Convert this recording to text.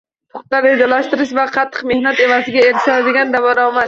Puxta rejalashtirish va qattiq mehnat evaziga erishiladigan daromad